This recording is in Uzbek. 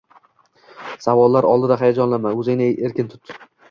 Savollar oldida hayajonlanma, oʻzingni erkin tut!